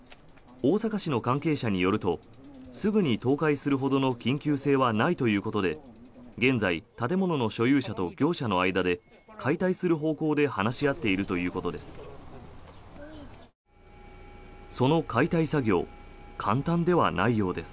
大阪市の関係者によるとすぐに倒壊するほどの緊急性はないということで現在、建物の所有者と業者の間で解体する方向で話し合っているということです。